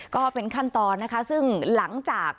ก็เป็นขั้นตอนนะคะซึ่งหลังจาก